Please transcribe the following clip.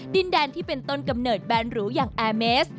ดินแดนที่เป็นต้นกำเนิดแบนหรูอย่างแอร์เมส